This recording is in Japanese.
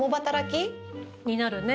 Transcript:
になるね。